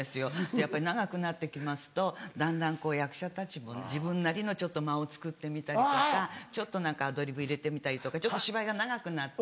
やっぱり長くなって来ますとだんだん役者たちも自分なりのちょっと間をつくってみたりとか何かアドリブ入れてみたりとか芝居が長くなって。